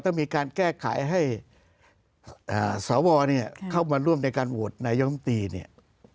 ต้องมีการแก้ไขให้สวเนี่ยเข้ามาร่วมในการโหวตนายมตีเนี่ย